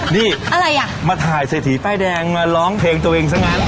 นี่มาถ่ายเซธีป้ายแดงมาร้องเพลงตัวเองซะงั้น